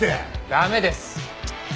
駄目です！